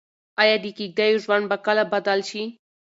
ايا د کيږديو ژوند به کله بدل شي؟